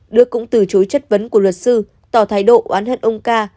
đức cũng từ chối chất vấn của luật sư tỏ thái độ oán hận ông ca